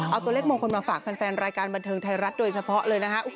เอาตัวเลขมงคลมาฝากแฟนรายการบันเทิงไทยรัฐโดยเฉพาะเลยนะคะ